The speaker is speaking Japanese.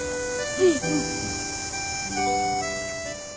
うん。